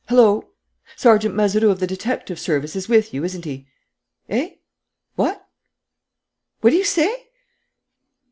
Hullo!... Sergeant Mazeroux of the detective service is with you, isn't he? Eh? What? What do you say?